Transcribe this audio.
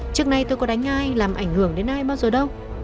trước nay tôi có đánh ai làm ảnh hưởng đến ai bao giờ đâu